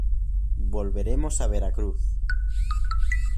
volveremos a Veracruz.